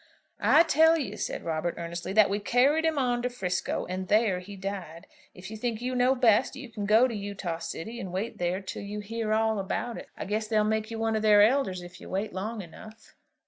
"I tell you," said Robert, earnestly, "that we carried him on to 'Frisco, and there he died. If you think you know best, you can go to Utah City and wait there till you hear all about it. I guess they'll make you one of their elders if you wait long enough."